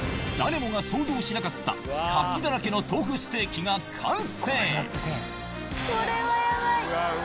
誰もが想像しなかったカキだらけの豆腐ステーキが完成！